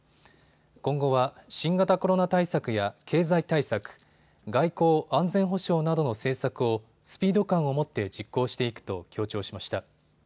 今後は新型コロナ対策や経済対策、外交・安全保障などの政策をスピード感を持って実行していくと強調しました。